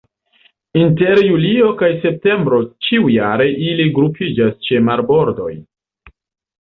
Inter julio kaj septembro ĉiujare ili grupiĝas ĉe marbordoj.